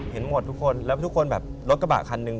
เห็นหมดทุกคนแล้วทุกคนแบบรถกระบะคันหนึ่ง